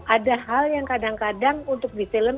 ada hal yang kadang kadang untuk ditelan